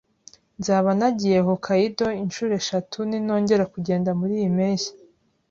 Nzaba nagiye Hokkaido inshuro eshatu ninongera kugenda muriyi mpeshyi